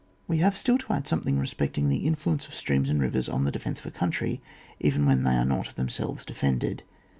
Wb have still to add something respect ing the infiuence of streams and rivers on the defence of a country, even when they are not themselves defended.